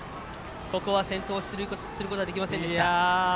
ここは先頭出塁することができませんでした。